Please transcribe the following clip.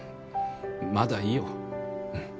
まだいいよ。